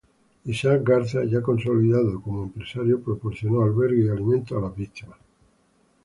Isaac Garza, ya consolidado como empresario, proporcionó albergue y alimentos a las víctimas.